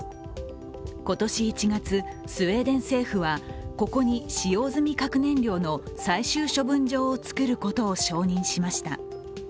今年１月、スウェーデン政府はここに使用済み核燃料の最終処分場を造ることを承認しました。